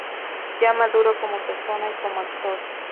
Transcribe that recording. Ya maduro como persona y como actor.